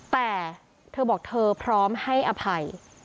แต่เธอบอกเธอพร้อมให้อภัย